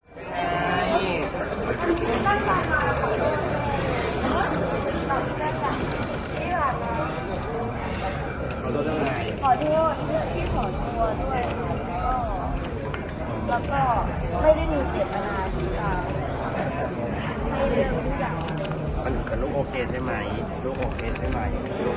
ทางนี้ตั้งวานาของนาย